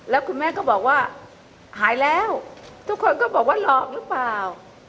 แล้วคุณแม่ก็บอกว่าหายแล้วทุกคนก็บอกว่าหลอกหรือเปล่า